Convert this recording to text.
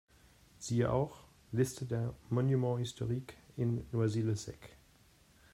Siehe auch: Liste der Monuments historiques in Noisy-le-Sec